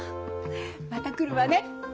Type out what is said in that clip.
また来るわね。